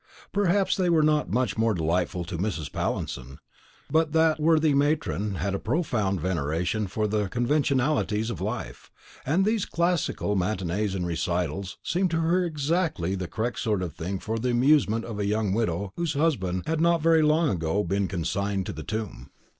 Perhaps they were not much more delightful to Mrs. Pallinson; but that worthy matron had a profound veneration for the conventionalities of life, and these classical matinées and recitals seemed to her exactly the correct sort of thing for the amusement of a young widow whose husband had not very long ago been consigned to the tomb.